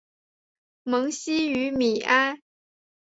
蒙希于米埃。